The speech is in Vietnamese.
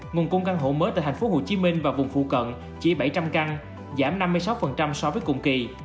nguồn cung căn hộ mới tại tp hcm và vùng phụ cận chỉ bảy trăm linh căn giảm năm mươi sáu so với cùng kỳ